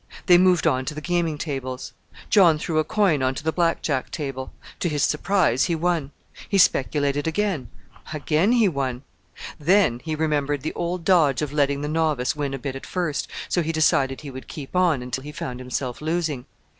They moved on to the gaming tables. John threw a coin on to the Black Jack table. To his surprise he won. He speculated again: again he won. Then he remembered the old dodge of letting the novice win a bit at first, so he decided he would keep on until he found himself losing.